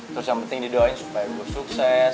terus yang penting didoain supaya gue sukses